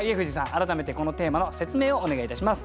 改めてこのテーマの説明をお願いいたします。